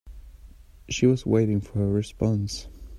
She was waiting for her response.